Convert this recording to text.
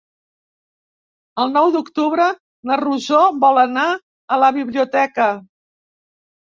El nou d'octubre na Rosó vol anar a la biblioteca.